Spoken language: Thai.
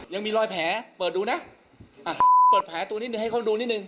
ยังมีรอยแผลเปิดดูนะอ่ะเปิดแผลตัวนิดหนึ่งให้เขาดูนิดนึง